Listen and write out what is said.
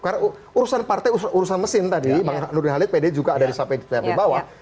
karena urusan partai urusan mesin tadi bang nur halil pd juga ada di sape di bawah